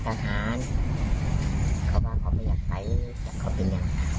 เขาบอกว่าเขาไม่อยากไปแต่เขาเป็นเลย